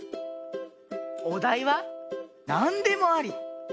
おだいはなんでもあり。